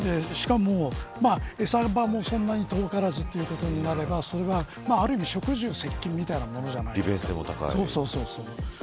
しかも、餌場もそんなに遠からずということになればある意味食住接近というものじゃないですか。